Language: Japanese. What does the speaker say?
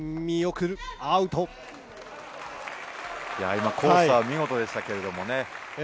今、コースは見事でしたけどね。